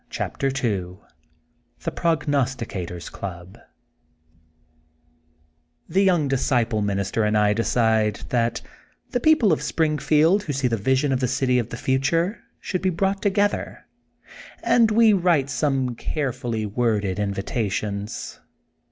CHAPTER n THE PROGNOSTICATOR'S CLUB The young disciple minister and I decide that the people of Springfield who see the vision of the city of the future should be brought together, and we write some carefully worded invitations.